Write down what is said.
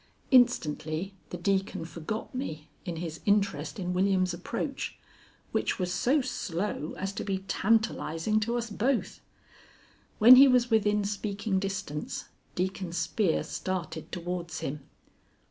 Instantly the Deacon forgot me in his interest in William's approach, which was so slow as to be tantalizing to us both. When he was within speaking distance, Deacon Spear started towards him.